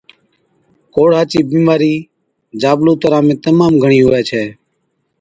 ڪوڙها چِي بِيمارِي جابلُون تران ۾ تمام گھڻِي هُوَي ڇَي